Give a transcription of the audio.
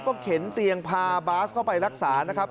ก็เข็นเตียงพาบาสเข้าไปรักษานะครับ